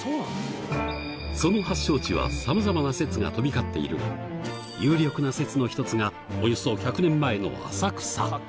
その発祥地はさまざまな説が飛び交っているが、有力な説の一つが、およそ１００年前の浅草。